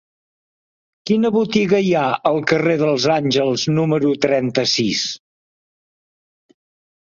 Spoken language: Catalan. Quina botiga hi ha al carrer dels Àngels número trenta-sis?